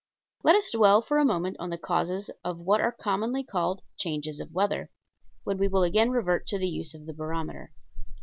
Let us dwell for a moment on the causes of what are commonly called "changes of weather," when we will again revert to the use of the barometer.